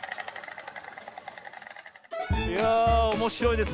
いやあおもしろいですねえ。